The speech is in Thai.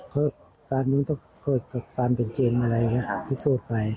เพราะการลุงต้องคืนกับความเป็นจริงอะไรอย่างเงี้ยครับพิสูจน์ใหม่